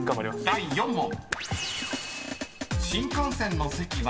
［第４問］